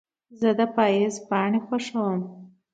زه د پاییز پاڼې خوښوم.